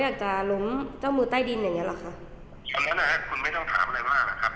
อยากจะล้มเจ้ามือใต้ดินอย่างเงี้เหรอคะอันนั้นนะฮะคุณไม่ต้องถามอะไรมากอ่ะครับ